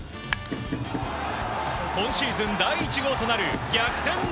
今シーズン第１号となる逆転